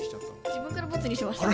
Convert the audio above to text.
自分からボツにしました。